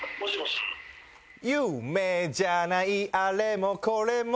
「夢じゃないあれもこれも」